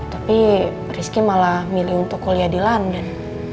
tapi rizky malah milih untuk kuliah di london